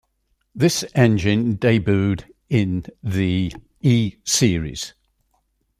This engine debuted in the E Series.